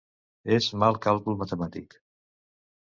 És 'mal càlcul matemàtic'